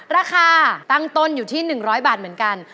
ราคาตั้งต้นอยู่ที่๑๐๐บาทเหมือนกัน